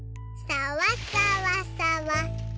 さわさわさわ。